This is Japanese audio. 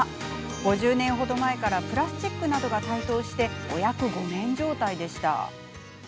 ５０年程前からプラスチックなどが台頭してお役御免状態でした。